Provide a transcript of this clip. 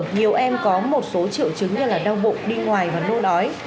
nhiều em có một số triệu chứng như là đau bụng đi ngoài và nô đói